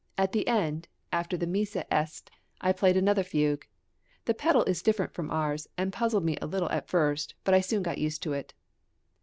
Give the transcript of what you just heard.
At the end, after the Missa est, I played another fugue. The pedal is different from ours, and that puzzled me a little at first, but I soon got used to it.